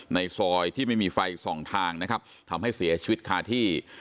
ในซอยที่ไม่มีไฟส่องทางนะครับทำให้เสียชีวิตคาที่